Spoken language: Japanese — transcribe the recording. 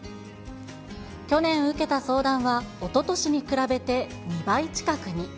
去年受けた相談は、おととしに比べて、２倍近くに。